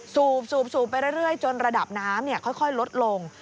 สูบไปเรื่อยจนระดับน้ำค่อยลดลง